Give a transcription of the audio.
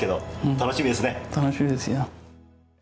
楽しみですよ。